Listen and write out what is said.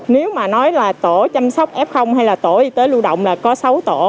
nếu mà nói là tổ chăm sóc f hay là tổ y tế lưu động là có sáu tổ